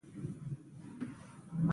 د احمد واده په خیر تېر شو.